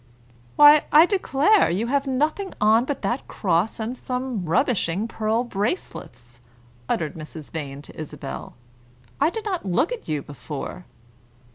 "Why, I declare you have nothing on but that cross and some rubbishing pearl bracelets!" uttered Mrs. Vane to Isabel. "I did not look at you before."